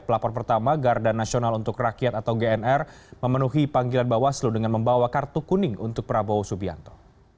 pelapor pertama garda nasional untuk rakyat atau gnr memenuhi panggilan bawaslu dengan membawa kartu kuning untuk prabowo subianto